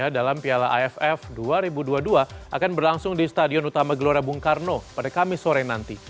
dalam piala aff dua ribu dua puluh dua akan berlangsung di stadion utama gelora bung karno pada kamis sore nanti